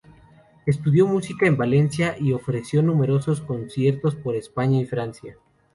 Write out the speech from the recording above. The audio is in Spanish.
Estudió música en Valencia y ofreció numerosos conciertos por España y Francia.